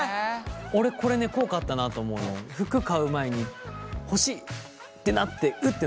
俺これね効果あったなと思うの服買う前に欲しいってなってウッてなるじゃん。